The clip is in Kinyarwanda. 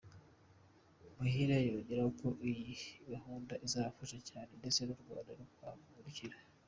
Muhire yongeyeho ko iyi gahunda izabafasha cyane ndetse n’u Rwanda rukahungukira.